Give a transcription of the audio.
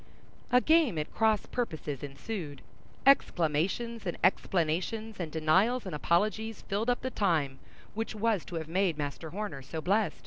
A game at cross purposes ensued; exclamations and explanations, and denials and apologies filled up the time which was to have made Master Horner so blest.